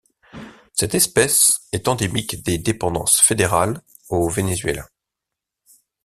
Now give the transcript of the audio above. Cette espèce est endémique des Dépendances fédérales au Venezuela.